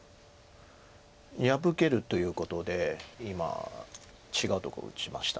破けるということで今違うとこ打ちました。